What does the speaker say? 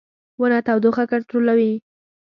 • ونه تودوخه کنټرولوي.